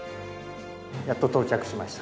やっと到着しました。